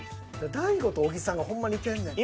大悟と小木さんがほんま似てんねん。